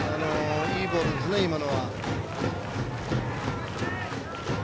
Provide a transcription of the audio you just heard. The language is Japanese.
いいボールですね、今のは。